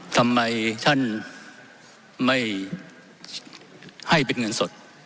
ทำไมท่านไม่ให้เป็นเงินสด